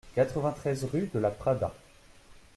quatre-vingt-treize rue de la Pradat